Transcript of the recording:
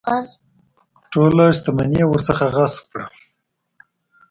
ټوله شته مني یې ورڅخه غصب کړه.